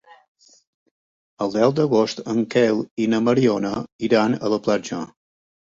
El deu d'agost en Quel i na Mariona iran a la platja.